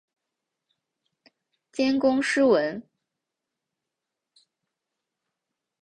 兼工诗文。